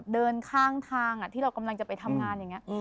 เดินข้างทางที่เรากำลังจะไปทำงานอย่างนี้